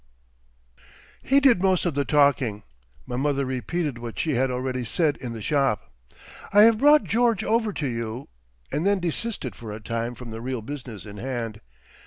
He did most of the talking. My mother repeated what she had already said in the shop, "I have brought George over to you," and then desisted for a time from the real business in hand.